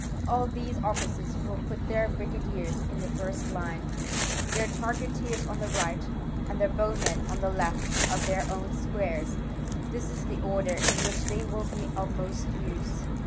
All these officers will put their brigadiers in the first line, their targeteers on the right, and their bowmen on the left of their own squares: this is the order in which they will be of most use.